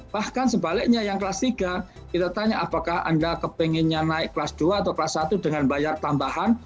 bahkan sebaliknya yang kelas tiga kita tanya apakah anda kepengennya naik kelas dua atau kelas satu dengan bayar tambahan